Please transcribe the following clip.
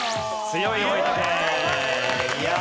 強い！